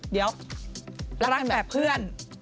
เดี๋ยวรักแบบเพื่อน